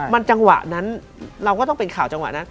มันจังหวะนั้นเราก็ต้องเป็นข่าวจังหวะนั้น